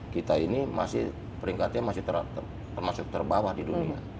kita ini masih peringkatnya masih termasuk terbawah di dunia